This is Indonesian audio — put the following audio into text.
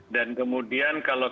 dan kemudian kalau